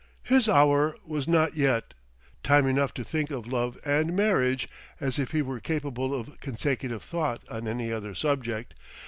His hour was not yet; time enough to think of love and marriage (as if he were capable of consecutive thought on any other subject!)